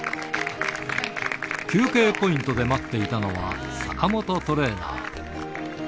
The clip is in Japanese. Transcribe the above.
休憩ポイントで待っていたのは、坂本トレーナー。